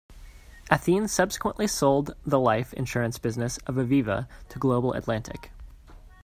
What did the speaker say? Athene subsequently sold the life insurance business of Aviva to Global Atlantic.